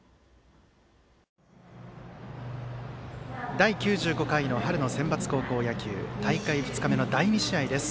第９５回の春のセンバツ高校野球大会２日目の第２試合です。